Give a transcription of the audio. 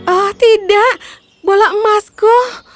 oh tidak bola emasku